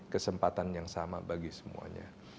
kesempatan yang sama bagi semuanya